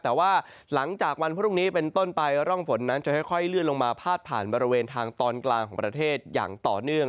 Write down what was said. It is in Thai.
แต่ว่าหลังจากวันพรุ่งนี้เป็นต้นไปร่องฝนนั้นจะค่อยเลื่อนลงมาพาดผ่านบริเวณทางตอนกลางของประเทศอย่างต่อเนื่อง